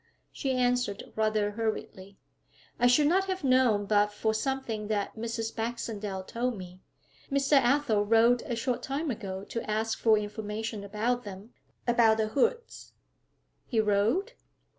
She answered rather hurriedly. 'I should not have known but for something that Mrs. Baxendale told me. Mr. Athel wrote a short time ago to ask for information about them about the Hoods.' 'He wrote?'